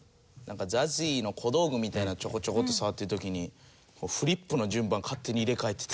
ＺＡＺＹの小道具みたいなのちょこちょこっと触ってる時にフリップの順番勝手に入れ替えてた。